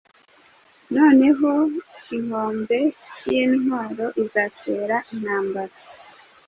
Noneho inkombe yintwaro izatera intambara